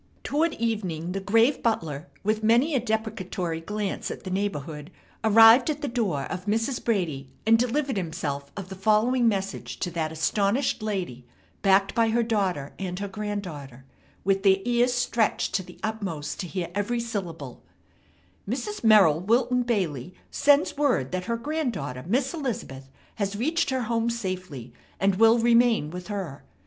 Toward evening the grave butler, with many a deprecatory glance at the neighborhood, arrived at the door of Mrs. Brady, and delivered himself of the following message to that astonished lady, backed by her daughter and her granddaughter, with their ears stretched to the utmost to hear every syllable: "Mrs. Merrill Wilton Bailey sends word that her granddaughter, Miss Elizabeth, has reached her home safely, and will remain with her.